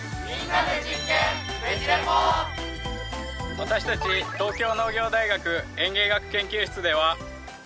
私たち東京農業大学園芸学研究室では。